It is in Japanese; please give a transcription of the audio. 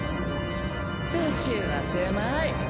宇宙は狭い！